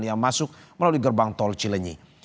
yang masuk melalui gerbang tol cilenyi